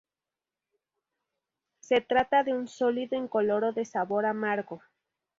Se trata de un sólido incoloro de sabor amargo.